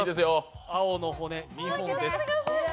青の骨、２本です。